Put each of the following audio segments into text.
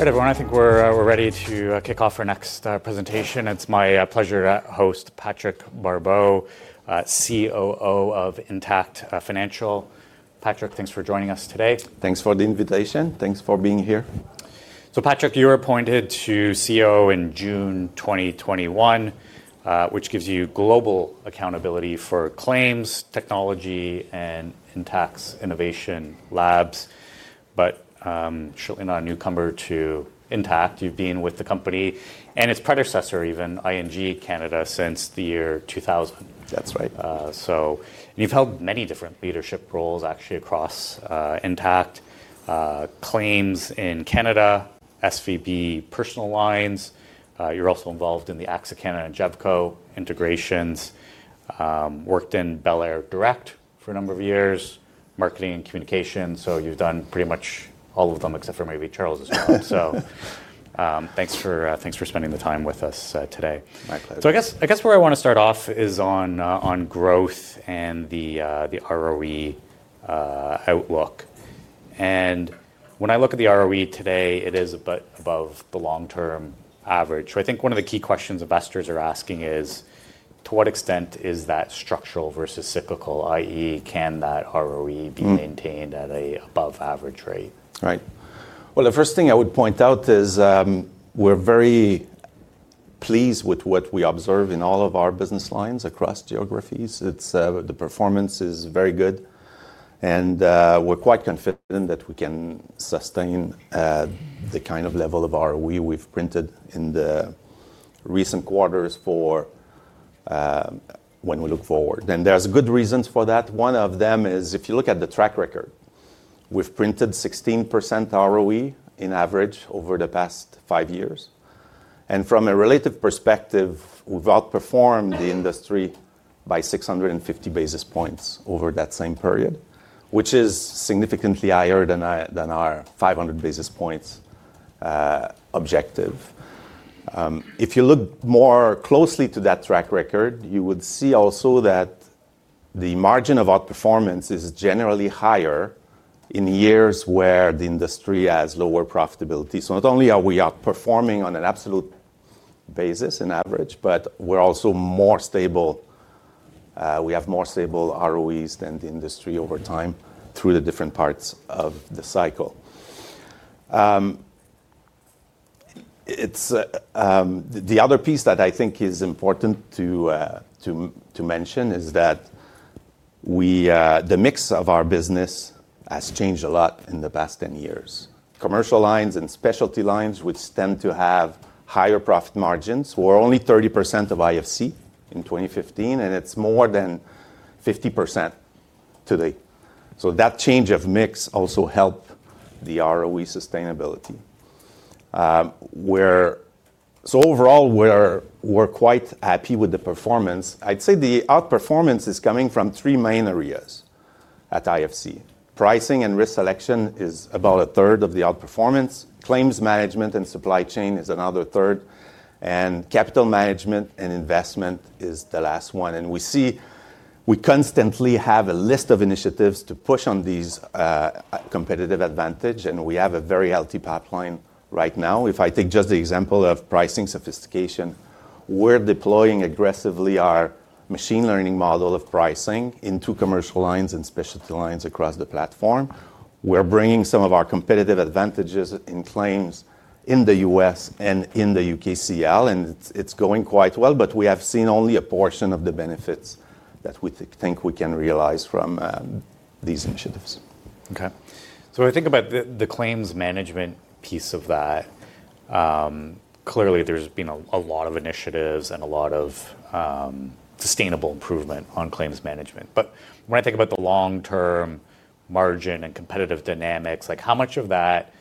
Good afternoon. I think we're ready to kick off our next presentation. It's my pleasure to host Patrick Barbeau, CEO of Intact Financial Corporation. Patrick, thanks for joining us today. Thanks for the invitation. Thanks for being here. Patrick, you were appointed to CEO in June 2021, which gives you global accountability for claims, technology, and Intact's innovation labs. Certainly not a newcomer to Intact, you've been with the company and its predecessor, even ING Canada, since the year 2000. That's right. You've held many different leadership roles, actually, across Intact: claims in Canada, SVB personal lines. You're also involved in the AXA Canada and GEBCO integrations. Worked in belairdirect for a number of years, marketing and communications. You've done pretty much all of them except for maybe Charles's job. Thanks for spending the time with us today. My pleasure. I guess where I want to start off is on growth and the ROE outlook. When I look at the ROE today, it is a bit above the long-term average. I think one of the key questions investors are asking is, to what extent is that structural versus cyclical? I.e., can that ROE be maintained at an above-average rate? Right. The first thing I would point out is we're very pleased with what we observe in all of our business lines across geographies. The performance is very good. We're quite confident that we can sustain the kind of level of ROE we've printed in the recent quarters for when we look forward. There are good reasons for that. One of them is if you look at the track record, we've printed 16% ROE on average over the past five years. From a relative perspective, we've outperformed the industry by 650 basis points over that same period, which is significantly higher than our 500 basis points objective. If you look more closely at that track record, you would see also that the margin of outperformance is generally higher in years where the industry has lower profitability. Not only are we outperforming on an absolute basis on average, but we're also more stable. We have more stable ROEs than the industry over time through the different parts of the cycle. The other piece that I think is important to mention is that the mix of our business has changed a lot in the past 10 years. Commercial lines and specialty lines, which tend to have higher profit margins, were only 30% of IFC in 2015, and it's more than 50% today. That change of mix also helped the ROE sustainability. Overall, we're quite happy with the performance. I'd say the outperformance is coming from three main areas at IFC. Pricing and risk selection is about a third of the outperformance. Claims management and supply chain is another third. Capital management and investment is the last one. We see we constantly have a list of initiatives to push on these competitive advantages. We have a very healthy pipeline right now. If I take just the example of pricing sophistication, we're deploying aggressively our machine learning model of pricing into commercial lines and specialty lines across the platform. We're bringing some of our competitive advantages in claims in the U.S. and in the UKCL. It's going quite well, but we have seen only a portion of the benefits that we think we can realize from these initiatives. OK. When I think about the claims management piece of that, clearly, there's been a lot of initiatives and a lot of sustainable improvement on claims management. When I think about the long-term margin and competitive dynamics, like how much of that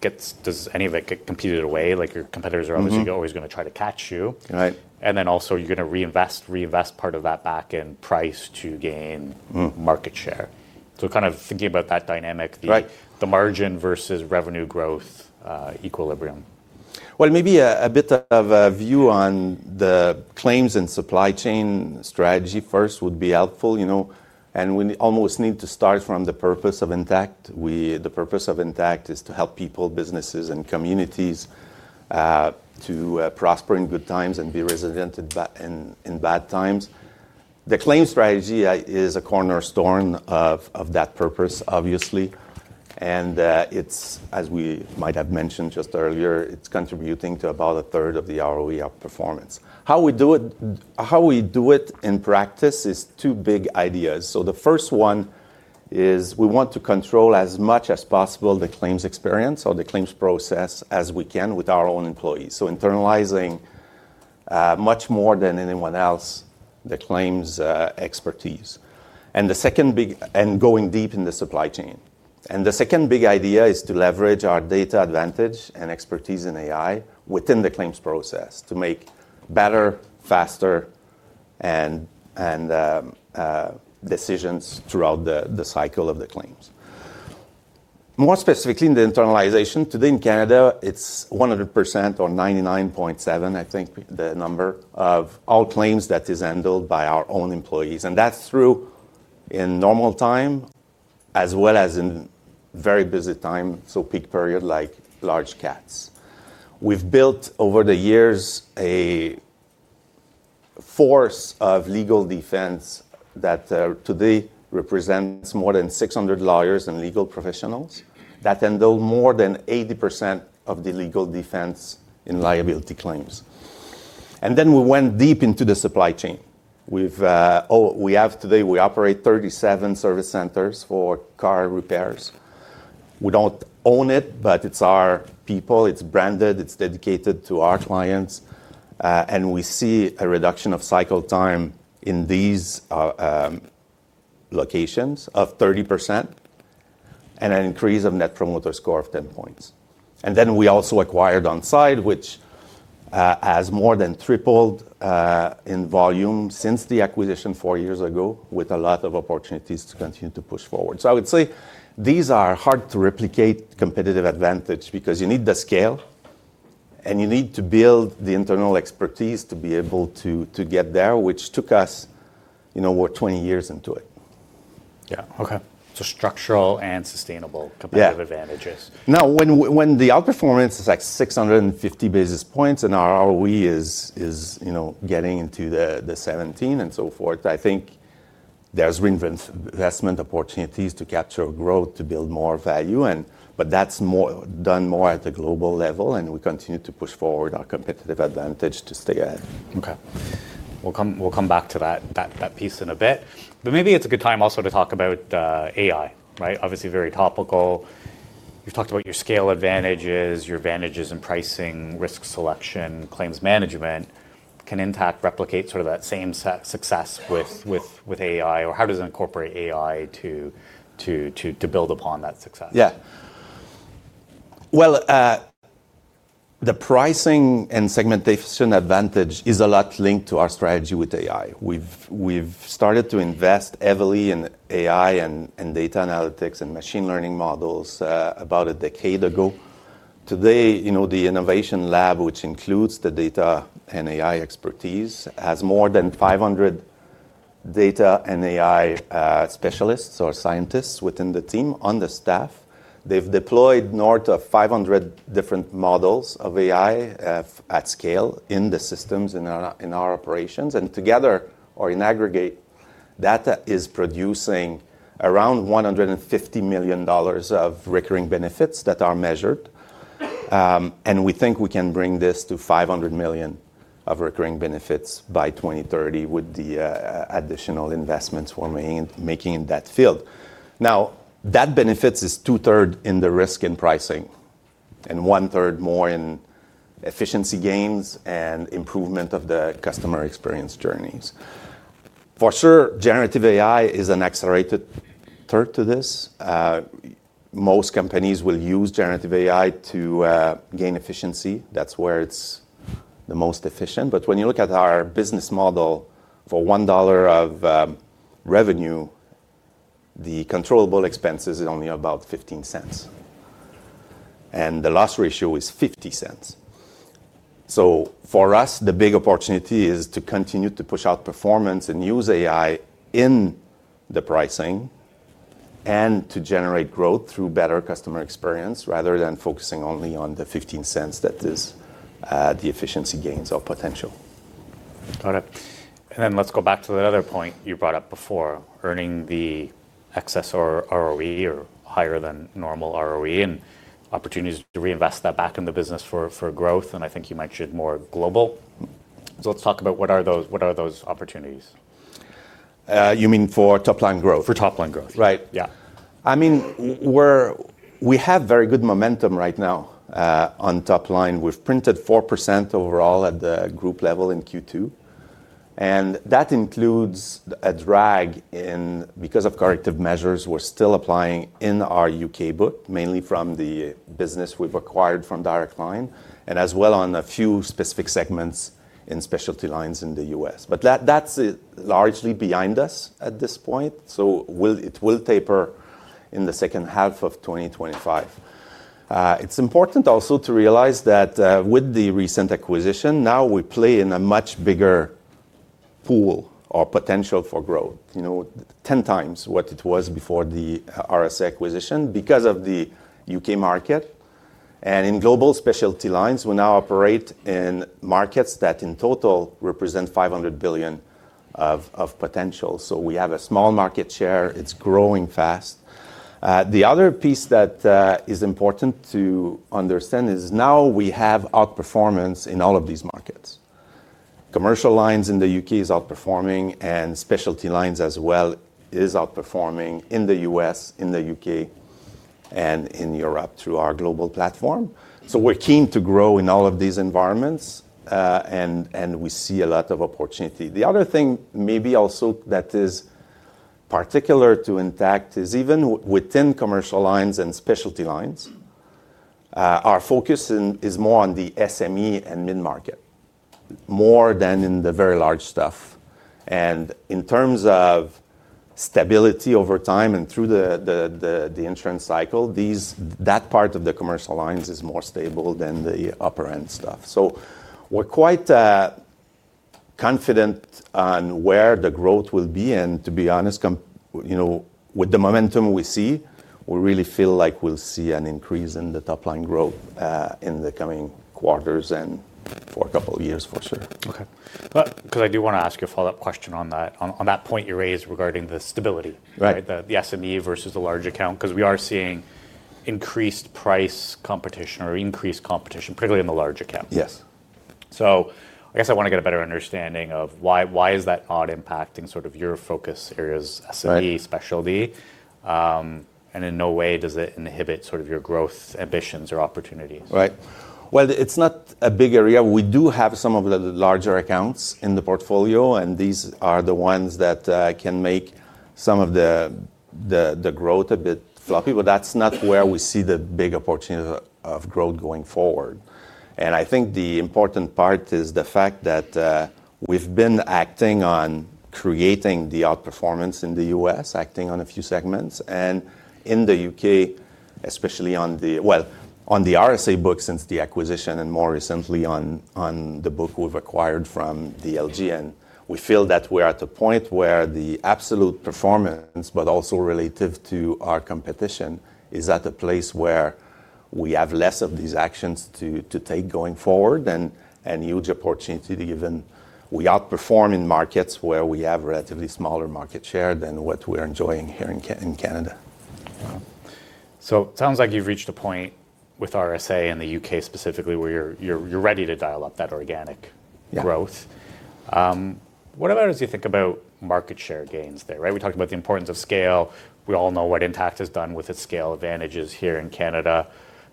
gets, does any of it get competed away? Your competitors are obviously always going to try to catch you. Right. You're going to reinvest part of that back in price to gain market share, kind of thinking about that dynamic, the margin versus revenue growth equilibrium. Maybe a bit of a view on the claims and supply chain strategy first would be helpful. You know, we almost need to start from the purpose of Intact. The purpose of Intact is to help people, businesses, and communities to prosper in good times and be resilient in bad times. The claims strategy is a cornerstone of that purpose, obviously. It's, as we might have mentioned just earlier, contributing to about a third of the ROE outperformance. How we do it in practice is two big ideas. The first one is we want to control as much as possible the claims experience or the claims process as we can with our own employees, internalizing much more than anyone else the claims expertise and going deep in the supply chain. The second big idea is to leverage our data advantage and expertise in AI within the claims process to make better, faster decisions throughout the cycle of the claims. More specifically, in the internalization, today in Canada, it's 100% or 99.7%, I think, the number of all claims that is handled by our own employees. That's true in normal time, as well as in very busy times, so peak period, like large cats. We've built over the years a force of legal defense that today represents more than 600 lawyers and legal professionals that handle more than 80% of the legal defense in liability claims. We went deep into the supply chain. We have today, we operate 37 service centers for car repairs. We don't own it, but it's our people. It's branded. It's dedicated to our clients. We see a reduction of cycle time in these locations of 30% and an increase of net promoter score of 10 points. We also acquired OnSite, which has more than tripled in volume since the acquisition four years ago, with a lot of opportunities to continue to push forward. I would say these are hard to replicate competitive advantages because you need the scale and you need to build the internal expertise to be able to get there, which took us, you know, we're 20 years into it. Yeah, OK. Structural and sustainable competitive advantages. Yeah. Now, when the outperformance is like 650 basis points and our ROE is, you know, getting into the 17 and so forth, I think there's reinvestment opportunities to capture growth, to build more value. That's done more at a global level. We continue to push forward our competitive advantage to stay ahead. OK. We'll come back to that piece in a bit. Maybe it's a good time also to talk about AI, right? Obviously, very topical. You've talked about your scale advantages, your advantages in pricing, risk selection, claims management. Can Intact replicate sort of that same success with AI? How does it incorporate AI to build upon that success? Yeah. The pricing and segmentation advantage is a lot linked to our strategy with AI. We've started to invest heavily in AI and data analytics and machine learning models about a decade ago. Today, the innovation lab, which includes the data and AI expertise, has more than 500 data and AI specialists or scientists within the team on the staff. They've deployed north of 500 different models of AI at scale in the systems in our operations. Together, or in aggregate, that is producing around $150 million of recurring benefits that are measured. We think we can bring this to $500 million of recurring benefits by 2030 with the additional investments we're making in that field. That benefit is two-thirds in the risk in pricing and one-third more in efficiency gains and improvement of the customer experience journeys. For sure, generative AI is an accelerated third to this. Most companies will use generative AI to gain efficiency. That's where it's the most efficient. When you look at our business model, for $1 of revenue, the controllable expenses are only about $0.15. The loss ratio is $0.50. For us, the big opportunity is to continue to push out performance and use AI in the pricing and to generate growth through better customer experience, rather than focusing only on the $0.15 that is the efficiency gains or potential. Got it. Let's go back to the other point you brought up before, earning the excess ROE or higher than normal ROE and opportunities to reinvest that back in the business for growth. I think you mentioned more global. Let's talk about what are those opportunities? You mean for top line growth? For top line growth, right? Yeah. I mean, we have very good momentum right now on top line. We've printed 4% overall at the group level in Q2. That includes a drag in because of corrective measures we're still applying in our UK book, mainly from the business we've acquired from Direct Line, and as well on a few specific segments in specialty lines in the US. That's largely behind us at this point. It will taper in the second half of 2025. It's important also to realize that with the recent acquisition, now we play in a much bigger pool or potential for growth, you know, 10 times what it was before the RSA acquisition because of the UK market. In global specialty lines, we now operate in markets that in total represent $500 billion of potential. We have a small market share. It's growing fast. The other piece that is important to understand is now we have outperformance in all of these markets. Commercial lines in the UK are outperforming, and specialty lines as well are outperforming in the US, in the UK, and in Europe through our global platform. We're keen to grow in all of these environments. We see a lot of opportunity. The other thing maybe also that is particular to Intact is even within commercial lines and specialty lines, our focus is more on the SME and mid-market, more than in the very large stuff. In terms of stability over time and through the insurance cycle, that part of the commercial lines is more stable than the upper-end stuff. We're quite confident on where the growth will be. To be honest, you know, with the momentum we see, we really feel like we'll see an increase in the top line growth in the coming quarters and for a couple of years, for sure. OK. I do want to ask you a follow-up question on that point you raised regarding the stability, the SME versus the large account, because we are seeing increased price competition or increased competition, particularly in the large account. Yes. I want to get a better understanding of why is that odd impact in your focus areas, SME, specialty. In no way does it inhibit your growth ambitions or opportunity. Right. It is not a big area. We do have some of the larger accounts in the portfolio, and these are the ones that can make some of the growth a bit floppy. That is not where we see the big opportunity of growth going forward. I think the important part is the fact that we have been acting on creating the outperformance in the U.S., acting on a few segments. In the UK, especially on the RSA book since the acquisition and more recently on the book we have acquired from Direct Line, we feel that we are at a point where the absolute performance, but also relative to our competition, is at a place where we have fewer of these actions to take going forward and huge opportunity to even outperform in markets where we have relatively smaller market share than what we are enjoying here in Canada. Wow. It sounds like you've reached a point with RSA in the UK specifically where you're ready to dial up that organic growth. What about as you think about market share gains there, right? We talked about the importance of scale. We all know what Intact has done with its scale advantages here in Canada.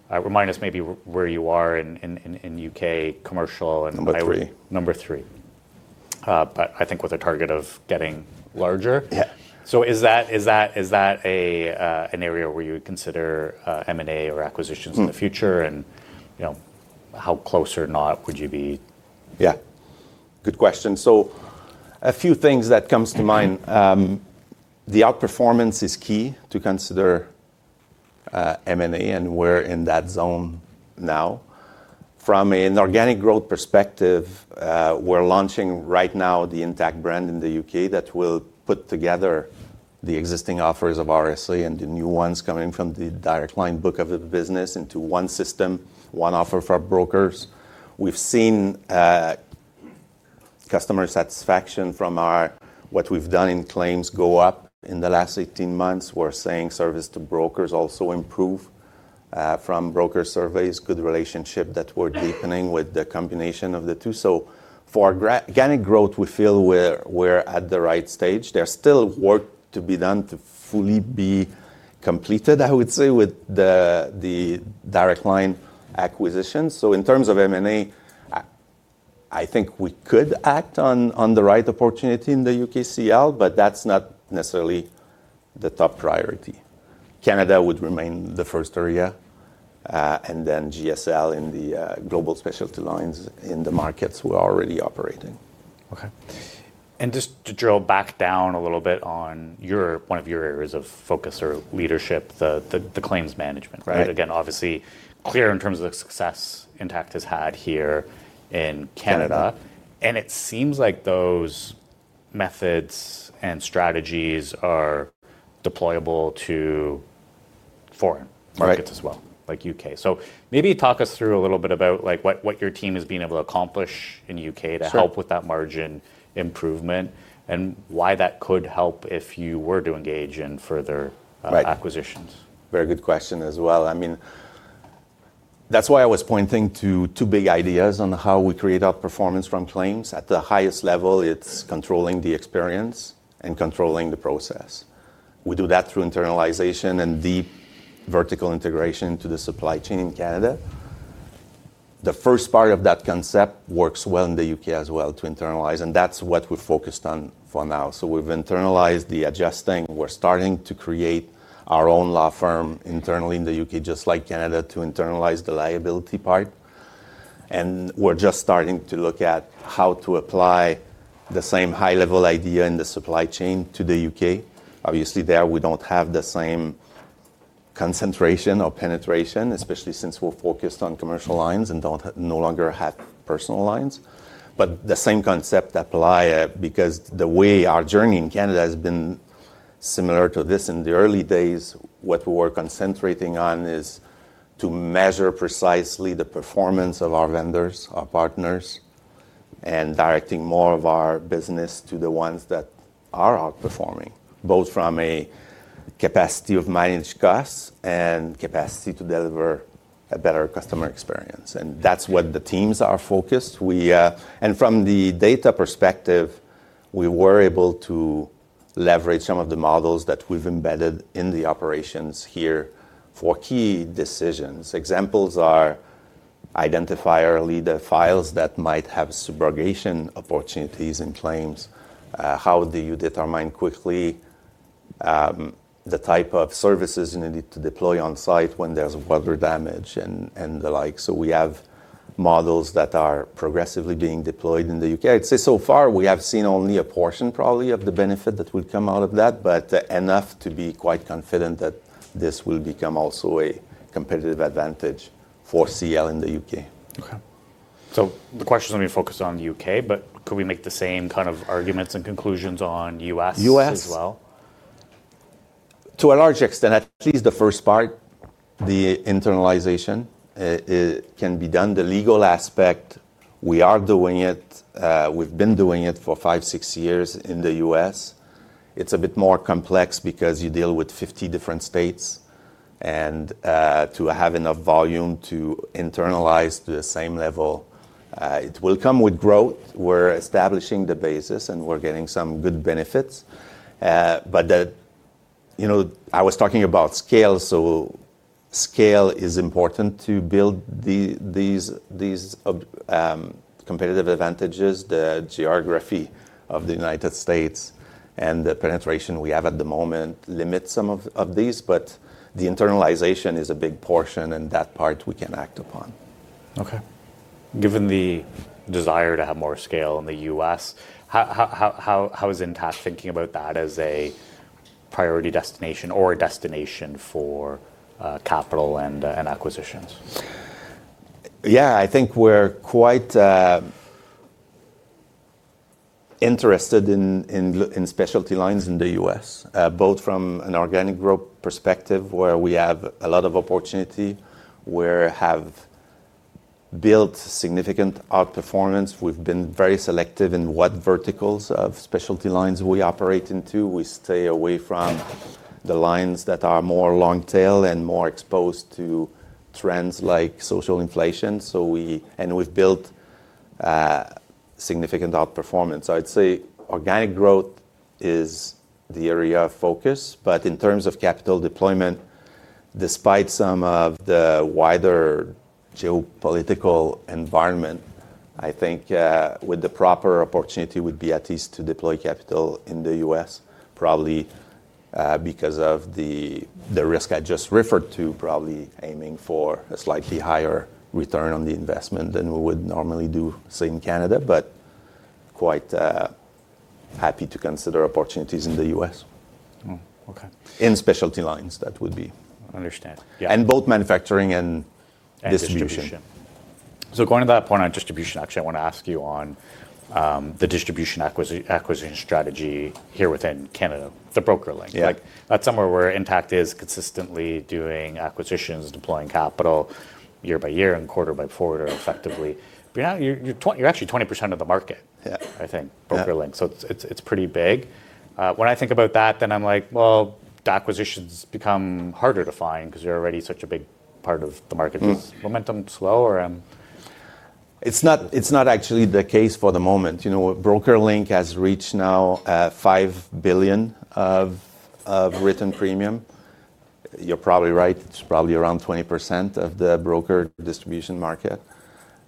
Remind us maybe where you are in the UK, commercial and. Number three. Number three, with a target of getting larger. Yeah. Is that an area where you would consider M&A or acquisitions in the future, and how close or not would you be? Yeah. Good question. A few things come to mind. The outperformance is key to consider M&A, and we're in that zone now. From an organic growth perspective, we're launching right now the Intact brand in the UK that will put together the existing offers of RSA and the new ones coming from the Direct Line book of business into one system, one offer for brokers. We've seen customer satisfaction from what we've done in claims go up in the last 18 months. We're seeing service to brokers also improve. From broker surveys, good relationships that we're deepening with the combination of the two. For organic growth, we feel we're at the right stage. There's still work to be done to fully be completed, I would say, with the Direct Line acquisition. In terms of M&A, I think we could act on the right opportunity in the UKCL, but that's not necessarily the top priority. Canada would remain the first area, and then GSL in the global specialty lines in the markets we're already operating in. OK. Just to drill back down a little bit on one of your areas of focus or leadership, the claims management, right? Obviously, clear in terms of the success Intact has had here in Canada. It seems like those methods and strategies are deployable to foreign markets as well, like the UK. Maybe talk us through a little bit about what your team is being able to accomplish in the UK to help with that margin improvement and why that could help if you were to engage in further acquisitions. Very good question as well. That's why I was pointing to two big ideas on how we create outperformance from claims. At the highest level, it's controlling the experience and controlling the process. We do that through internalization and deep vertical integration into the supply chain in Canada. The first part of that concept works well in the UK as well to internalize. That's what we're focused on for now. We've internalized the adjusting. We're starting to create our own law firm internally in the UK, just like Canada, to internalize the liability part. We're just starting to look at how to apply the same high-level idea in the supply chain to the UK. Obviously, there, we don't have the same concentration or penetration, especially since we're focused on commercial lines and no longer have personal lines. The same concept applies because the way our journey in Canada has been similar to this in the early days, what we were concentrating on is to measure precisely the performance of our vendors, our partners, and directing more of our business to the ones that are outperforming, both from a capacity of managed costs and capacity to deliver a better customer experience. That's what the teams are focused. From the data perspective, we were able to leverage some of the models that we've embedded in the operations here for key decisions. Examples are identify early the files that might have subrogation opportunities in claims. How do you determine quickly the type of services you need to deploy on site when there's water damage and the like? We have models that are progressively being deployed in the UK. I'd say so far, we have seen only a portion probably of the benefit that will come out of that, but enough to be quite confident that this will become also a competitive advantage for commercial lines in the UK. OK. The question is going to be focused on the UK. Could we make the same kind of arguments and conclusions on the US as well? To a large extent, at least the first part, the internalization can be done. The legal aspect, we are doing it. We've been doing it for five, six years in the U.S. It's a bit more complex because you deal with 50 different states. To have enough volume to internalize to the same level, it will come with growth. We're establishing the basis, and we're getting some good benefits. I was talking about scale. Scale is important to build these competitive advantages. The geography of the United States and the penetration we have at the moment limits some of these. The internalization is a big portion, and that part we can act upon. OK. Given the desire to have more scale in the U.S., how is Intact thinking about that as a priority destination or a destination for capital and acquisitions? Yeah, I think we're quite interested in specialty lines in the U.S., both from an organic growth perspective, where we have a lot of opportunity. We have built significant outperformance. We've been very selective in what verticals of specialty lines we operate into. We stay away from the lines that are more long tail and more exposed to trends like social inflation. We've built significant outperformance. I'd say organic growth is the area of focus. In terms of capital deployment, despite some of the wider geopolitical environment, I think with the proper opportunity, it would be at least to deploy capital in the U.S., probably because of the risk I just referred to, probably aiming for a slightly higher return on the investment than we would normally do, say, in Canada. Quite happy to consider opportunities in the U.S. OK. In specialty lines, that would be. Understand. Yeah. Both manufacturing and distribution. Going to that point on distribution, actually, I want to ask you on the distribution acquisition strategy here within Canada, the BrokerLink. Yeah. That's somewhere where Intact is consistently doing acquisitions, deploying capital year by year and quarter by quarter effectively. Now, you're actually 20% of the market, I think, BrokerLink. Yeah. It's pretty big. When I think about that, I'm like, the acquisitions become harder to find because you're already such a big part of the market. Yeah. Is momentum slow? It's not actually the case for the moment. You know, BrokerLink has reached now $5 billion of written premium. You're probably right. It's probably around 20% of the broker distribution market.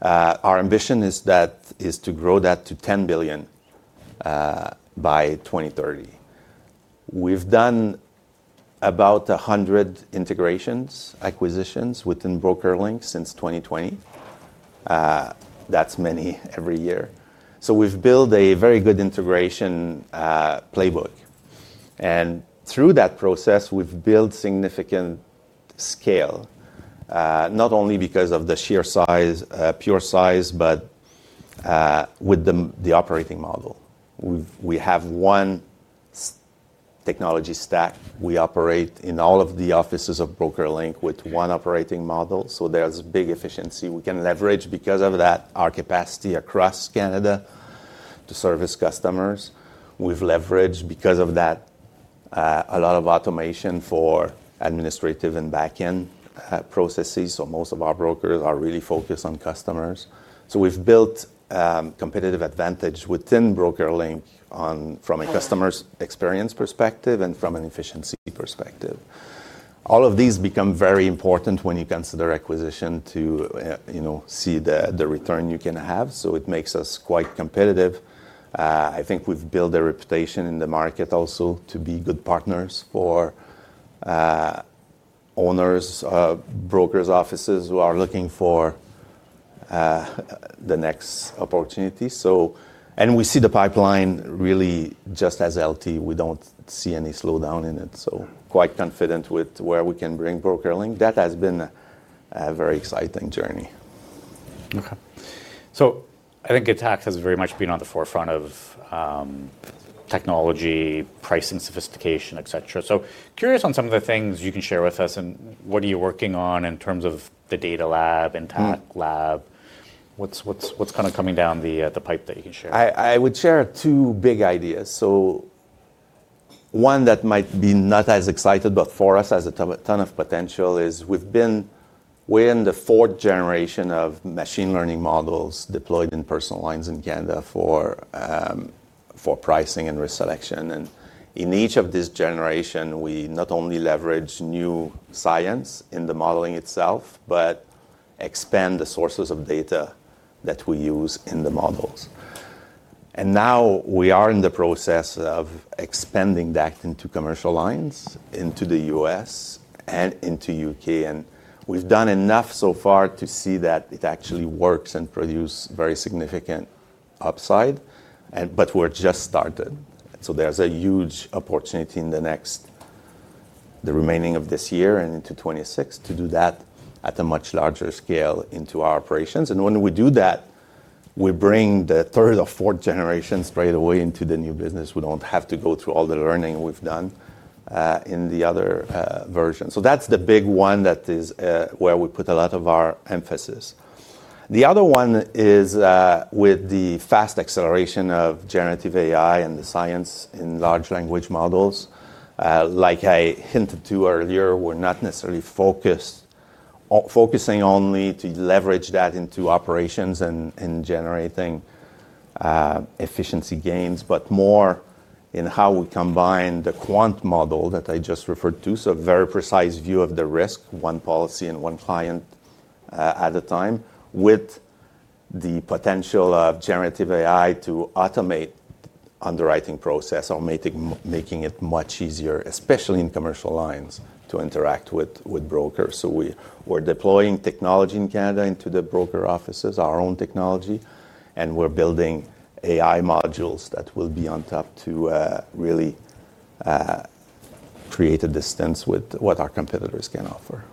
Our ambition is to grow that to $10 billion by 2030. We've done about 100 integrations, acquisitions within BrokerLink since 2020. That's many every year. We've built a very good integration playbook, and through that process, we've built significant scale, not only because of the sheer size, pure size, but with the operating model. We have one technology stack. We operate in all of the offices of BrokerLink with one operating model. There's big efficiency we can leverage because of that, our capacity across Canada to service customers. We've leveraged because of that a lot of automation for administrative and backend processes. Most of our brokers are really focused on customers. We've built competitive advantage within BrokerLink from a customer experience perspective and from an efficiency perspective. All of these become very important when you consider acquisition to see the return you can have. It makes us quite competitive. I think we've built a reputation in the market also to be good partners for owners of brokers' offices who are looking for the next opportunity. We see the pipeline really just as LT. We don't see any slowdown in it. Quite confident with where we can bring BrokerLink. That has been a very exciting journey. OK. I think Intact has very much been on the forefront of technology, pricing sophistication, et cetera. I'm curious on some of the things you can share with us. What are you working on in terms of the data lab, Intact lab? What's coming down the pipe that you can share? I would share two big ideas. One that might be not as exciting, but for us has a ton of potential, is we're in the fourth generation of machine learning models deployed in personal lines in Canada for pricing and risk selection. In each of these generations, we not only leverage new science in the modeling itself, but expand the sources of data that we use in the models. Now, we are in the process of expanding that into commercial lines into the U.S. and into the U.K. We've done enough so far to see that it actually works and produces very significant upside. We're just starting. There's a huge opportunity in the remaining of this year and into 2026 to do that at a much larger scale into our operations. When we do that, we bring the third or fourth generation straight away into the new business. We don't have to go through all the learning we've done in the other version. That's the big one that is where we put a lot of our emphasis. The other one is with the fast acceleration of generative AI and the science in large language models. Like I hinted to earlier, we're not necessarily focusing only to leverage that into operations and generating efficiency gains, but more in how we combine the quant model that I just referred to, so a very precise view of the risk, one policy and one client at a time, with the potential of generative AI to automate the underwriting process or making it much easier, especially in commercial lines, to interact with brokers. We're deploying technology in Canada into the broker offices, our own technology. We're building AI modules that will be on top to really create a distance with what our competitors can offer.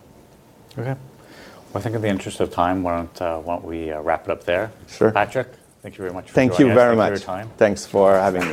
OK. I think in the interest of time, why don't we wrap it up there? Sure. Patrick, thank you very much for talking to us. Thank you very much. Thanks for having me.